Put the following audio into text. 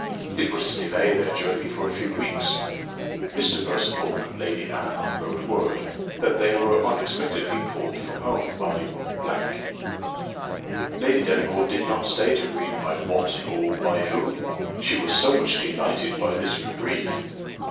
It was to delay their journey for a few weeks. Mr. Percival and Lady Anne wrote word, that they were unexpectedly called from home by . Lady Delacour did not stay to read by what, or by whom, she was so much delighted by this reprieve.